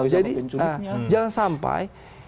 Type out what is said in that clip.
jadi jangan sampai